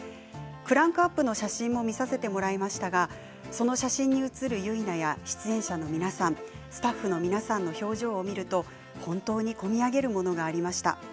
クランクアップの写真も見させてもらいましたがその写真に写る結菜や出演者の皆さんスタッフの皆さんの表情を見ると本当に込み上げるものがありました。